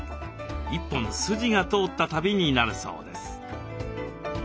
一本筋が通った旅になるそうです。